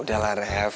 udah lah rev